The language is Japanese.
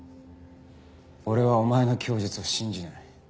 俺はお前の供述を信じない。